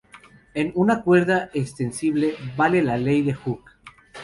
En una cuerda extensible, vale la Ley de Hooke.